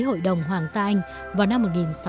hội đồng hoàng gia anh vào năm